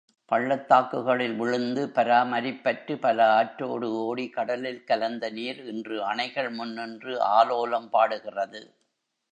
பள்ளத்தாக்குகளில் விழுந்து பராமரிப்பற்று பல ஆற்றோடு ஓடி கடலில் கலந்த நீர் இன்று அணைகள் முன்நின்று ஆலோலம் பாடுகிறது.